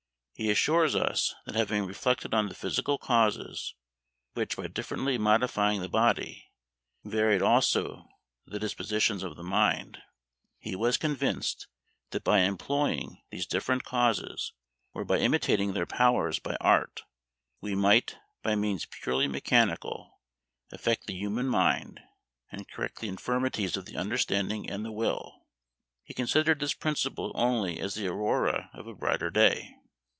He assures us, that having reflected on the physical causes, which, by differently modifying the body, varied also the dispositions of the mind, he was convinced that by employing these different causes, or by imitating their powers by art, we might, by means purely mechanical, affect the human mind, and correct the infirmities of the understanding and the will. He considered this principle only as the aurora of a brighter day.